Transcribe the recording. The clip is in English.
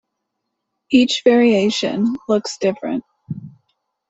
Each variation looks different.